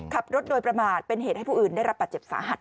ขับรถโดยประมาทเป็นเหตุให้ผู้อื่นได้รับบาดเจ็บสาหัส